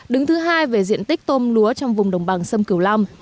đứng thứ hai về diện tích tôm lúa trong vùng đồng bằng sâm cửu lâm